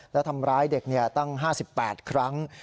และทำร้ายเด็กตั้ง๕๘ครั้ง